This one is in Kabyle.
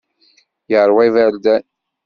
Yeṛwa iberdan.